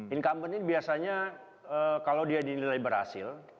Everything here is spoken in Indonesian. incumbent ini biasanya kalau dia dinilai berhasil